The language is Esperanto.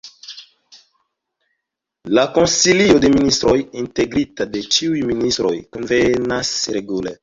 La Konsilio de Ministroj, integrita de ĉiuj ministroj, kunvenas regule.